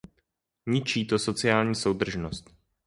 Ničí to sociální soudržnost.